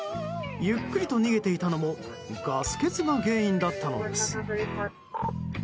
ゆっくりと逃げていたのもガス欠が原因だったのです。